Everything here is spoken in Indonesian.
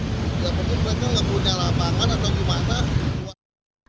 ya mungkin mereka nggak punya lapangan atau rumah